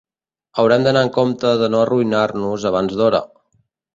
Haurem d'anar en compte de no arruïnar-nos abans d'hora.